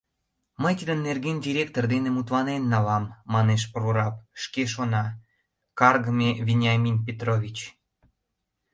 — Мый тидын нерген директор дене мутланен налам, — манеш прораб, шке шона: «Каргыме Вениамин Петрович!..